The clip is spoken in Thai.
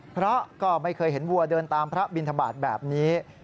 เพราะก็ไม่เคยเห็นวัวเดินตามพระบินทบาทแบบนี้